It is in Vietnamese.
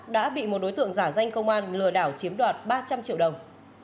đã bị một đối tượng giả danh công an lừa đảo chiếm đoạt ba trăm linh triệu đồng